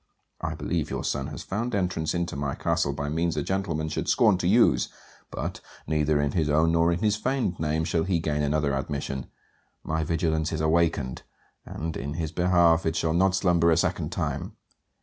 I believe your son has found entrance into my castle by means a gentleman should scorn to use; but, neither in his own nor in his feigned name, shall he gain another admission. My vigilance is awakened; and, in his behalf, it shall not slumber a second time.